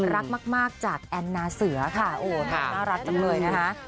รักมากจากแอนนาเสือค่ะโอ้น่ารักจังเลยนะคะ